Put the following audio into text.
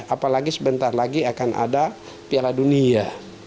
apalagi sebentar lagi akan ada piala dunia